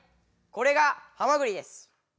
これがハマグリです。